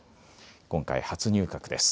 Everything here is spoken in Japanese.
今回、初入閣です。